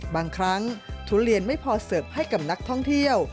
บางครั้งทุเรียนไม่พอเสิร์ฟให้กับนักท่องเที่ยว